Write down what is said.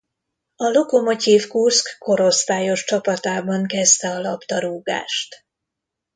A Lokomotyiv Kurszk korosztályos csapatában kezdte a labdarúgást.